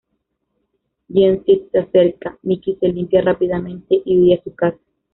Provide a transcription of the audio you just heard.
Yen Sid se acerca, Mickey se limpia rápidamente y huye a su casa.